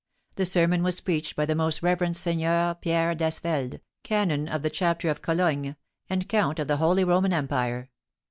The sermon was preached by the most reverend Seigneur Pierre d'Asfeld, canon of the Chapter of Cologne, and count of the Holy Roman Empire.